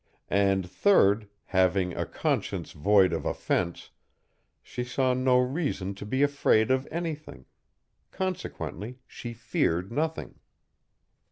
And third, having "a conscience void of offense," she saw no reason to be afraid of anything; consequently, she feared nothing.